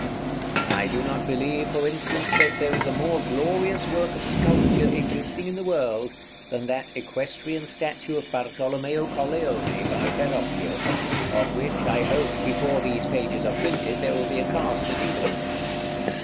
I do not believe, for instance, that there is a more glorious work of sculpture existing in the world than that equestrian statue of Bartolomeo Colleone, by Verrocchio, of which, I hope, before these pages are printed, there will be a cast in England.